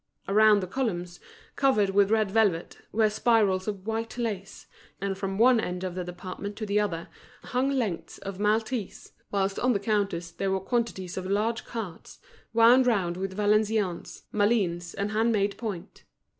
Around the columns, covered with red velvet, were spirals of white lace; and from one end of the department to the other, hung lengths of Maltese; whilst on the counters there were quantities of large cards, wound round with Valenciennes, Malines, and hand made point.